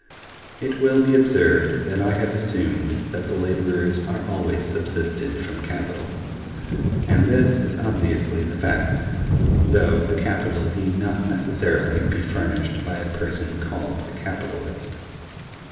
It will be observed that I have assumed that the laborers are always subsisted from capital:(105) and this is obviously the fact, though the capital need not necessarily be furnished by a person called a capitalist.